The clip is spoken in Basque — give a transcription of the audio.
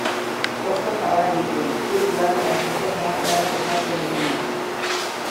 Hosto zabalak ditu, fruituak eta zurtoina erabat estaltzen dutenak.